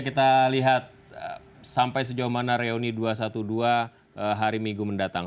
kita lihat sampai sejauh mana reuni dua ratus dua belas hari minggu mendatang